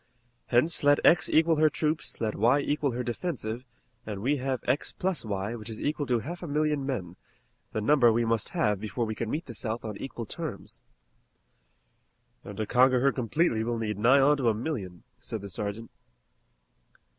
Hence let x equal her troops, let y equal her defensive, and we have x plus y, which is equal to half a million men, the number we must have before we can meet the South on equal terms." "An' to conquer her completely we'll need nigh on to a million." said the sergeant.